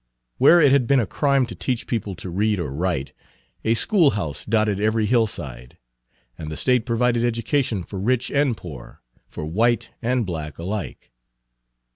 Where it had been a crime to teach people to read or write, a schoolhouse dotted every hillside, and the State provided education for rich and poor, for white and black alike.